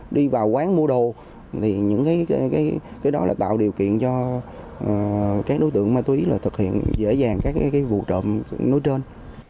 đi vào quán mua đồ những cái đó là tạo điều kiện cho các đối tượng mà tôi ý là thực hiện dễ dàng các vụ trộm nối trên